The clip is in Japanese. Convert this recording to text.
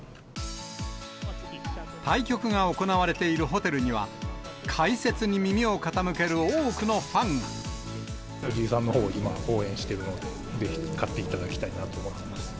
対局が行われているホテルには、藤井さんのほうを今、応援してるので、ぜひ勝っていただきたいなと思ってます。